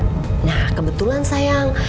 nah kebetulan sayang